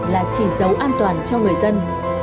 là chỉ dấu an toàn cho người dân